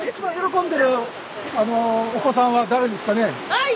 はい！